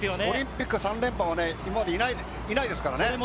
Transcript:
オリンピック３連覇も今までいないですからね。